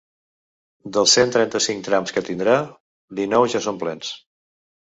Dels cent trenta-cinc trams que tindrà, dinou ja són plens.